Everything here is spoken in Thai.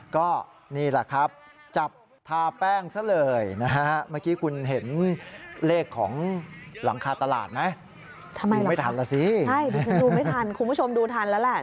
ก็นี่แหละครับจับทาแป้งซะเลยนะฮะ